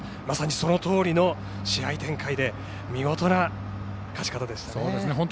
まさにそのとおりの試合展開で見事な勝ち方でしたね。